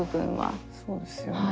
そうですよね。